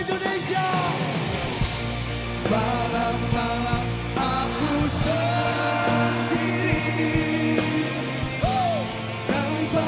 jadikan bintang kehidupan